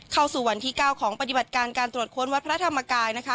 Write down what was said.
เข้าสู่วันที่๙ของปฏิบัติการการตรวจค้นวัดพระธรรมกายนะคะ